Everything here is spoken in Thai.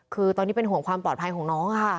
คือตอนนี้เป็นห่วงความปลอดภัยของน้องค่ะ